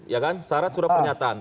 ya kan syarat surat pernyataan